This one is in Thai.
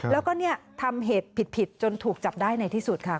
แล้วก็ทำเหตุผิดจนถูกจับได้ในที่สุดค่ะ